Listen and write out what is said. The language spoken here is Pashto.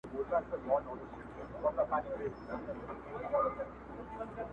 له احتیاجه چي سي خلاص بادار د قام وي!!..